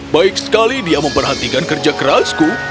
baik sekali dia memperhatikan kerja kerasku